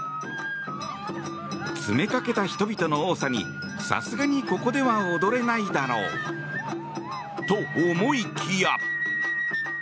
詰めかけた人々の多さにさすがにここでは踊れないだろうと思いきや。